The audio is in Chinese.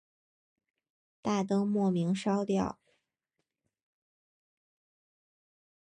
大灯莫名烧掉